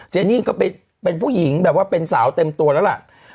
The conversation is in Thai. เนนี่ก็เป็นผู้หญิงแบบว่าเป็นสาวเต็มตัวแล้วล่ะ